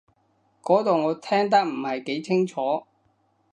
嗰度我聽得唔係幾清楚